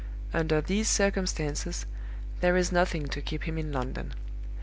Under these circumstances, there is nothing to keep him in London.